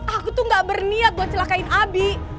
aku tuh gak berniat buat celakain abi